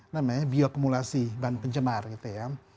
namanya bioakumulasi bahan pencemar gitu ya